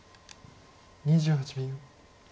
２８秒。